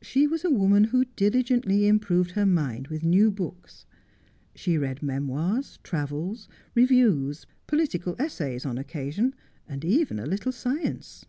She was a woman who diligently improved her mind with new books. She read memoirs, travels, reviews, political essays on occasion, and even a little science.